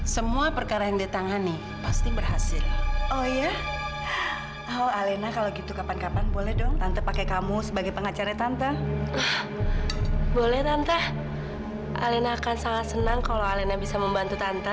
sampai jumpa di video selanjutnya